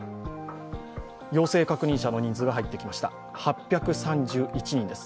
陽性確認者の人数が入ってきました８３１人です。